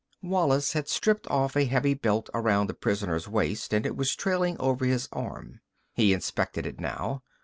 Wallis had stripped off a heavy belt about the prisoner's waist and it was trailing over his arm. He inspected it now.